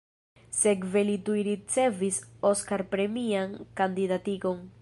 Sekve li tuj ricevis Oskar-premian kandidatigon.